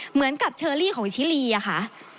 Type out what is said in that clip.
เหมือนกับเชอรี่ของชิลีอะค่ะ